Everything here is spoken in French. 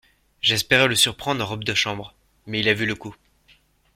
J'espérais le surprendre en robe de chambre ; mais il a vu le coup.